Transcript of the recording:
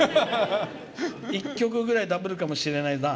１曲ぐらいダブるかもしれないな。